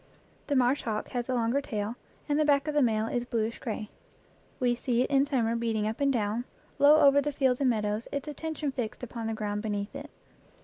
The marsh hawk has the longer tail, and the back of the male is bluish gray. We see it in summer beating up and down, low over the fields and meadows, its attention fixed upon the ground beneath it.